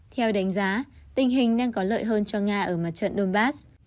theo đánh giá tình hình đang có lợi hơn cho nga ở mặt trận donbass